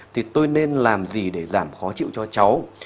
thì tôi nên làm gì để giảm khó chịu cho cháu